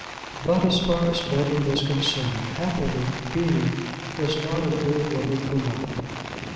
But, as far as Letty was concerned, happily Beenie was not an old woman for nothing.